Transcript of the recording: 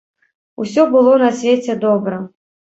Усё было на свеце добра.